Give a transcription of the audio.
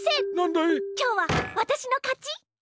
今日はわたしのかち？